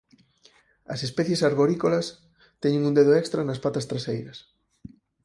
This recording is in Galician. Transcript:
As especies arborícolas teñen un dedo extra nas patas traseiras.